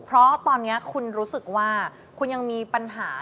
เพราะตอนนี้คุณรู้สึกว่าคุณยังมีปัญหา